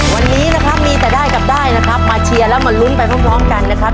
วันนี้นะครับมีแต่ได้กับได้นะครับมาเชียร์แล้วมาลุ้นไปพร้อมกันนะครับ